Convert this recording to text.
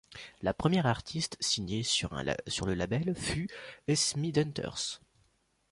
La première artiste signée sur le label fut Esmee Denters.